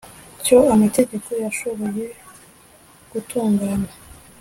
cyo amategeko yashoboye gutunganya